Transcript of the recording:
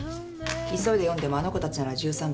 急いで読んでもあの子たちなら１３分。